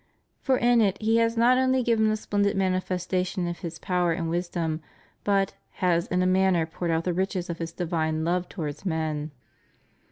For in it He has not only given a splendid manifestation of His power and wisdom, but "has in a manner poured out the riches of His divine love towards men."